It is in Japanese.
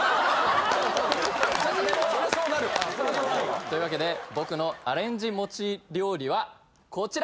そりゃそうなるわというわけで僕のアレンジ餅料理はこちら！